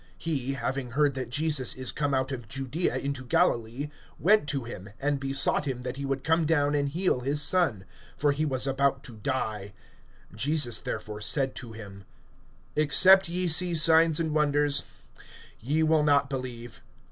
(47)He, having heard that Jesus is come out of Judaea into Galilee, went to him, and besought him that he would come down and heal his son; for he was about to die. (48)Jesus therefore said to him: Except ye see signs and wonders, ye will not believe.